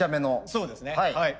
そうですねはい。